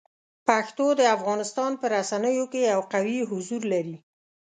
پښتو د افغانستان په رسنیو کې یو قوي حضور لري.